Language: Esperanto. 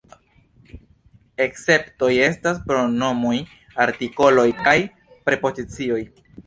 Esceptoj estas pronomoj, artikoloj kaj prepozicioj.